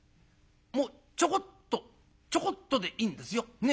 もうちょこっとちょこっとでいいんですよ。ね？